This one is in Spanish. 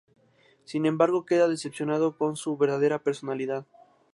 Sin embargo, queda decepcionado con su verdadera personalidad.